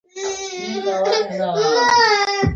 افغانستان په خپلو ولایتونو باندې پوره تکیه لري.